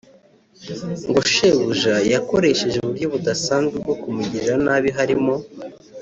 ngo shebuja yakoresheje uburyo budasanzwe bwo kumugirira nabi harimo